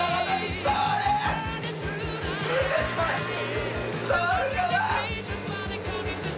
伝わるかな？